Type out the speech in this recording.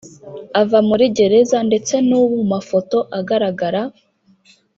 Ava muri Gereza ndetse n’ubu mu mafoto agaragara